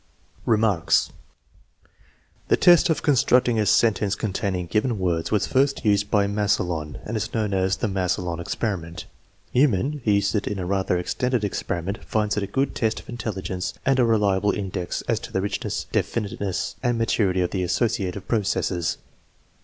Remarks. The test of constructing a sentence containing given words was first used by Masselon and is known as " the Masselon experiment." Meumann, who used it in a rather extended experiment, 1 finds it a good test of intelli gence and a reliable index as to the richness, definiteness, and maturity of the associative processes.